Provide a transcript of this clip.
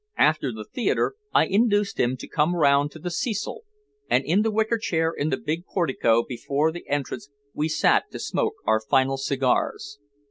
After the theater I induced him to come round to the Cecil, and in the wicker chair in the big portico before the entrance we sat to smoke our final cigars.